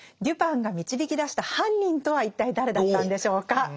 デュパンが導き出した犯人とは一体誰だったんでしょうか。